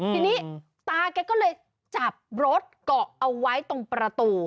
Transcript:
ทีนี้ตาแกก็เลยจับรถเกาะเอาไว้ตรงประตู